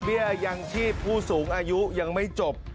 ยังชีพผู้สูงอายุยังไม่จบ